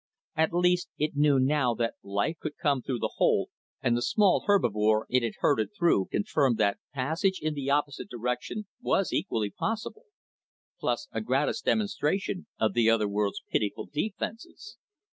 At least, it knew now that life could come through the hole, and the small herbivore it had herded through confirmed that passage in the opposite direction was equally possible plus a gratis demonstration of the other world's pitiful defenses.